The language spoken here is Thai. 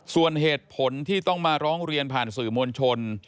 ส่วนเหตุผลที่ต้องมาร้องเรียนผ่านสื่อมวลชน